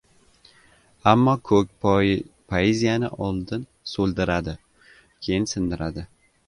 Ammo “ko‘k” poeziyani oldin so‘ldiradi, keyin sindiradi.